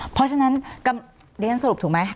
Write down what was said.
เพราะฉะนั้นเรียนสรุปถูกไหม